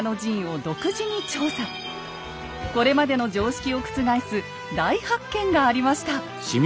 これまでの常識を覆す大発見がありました。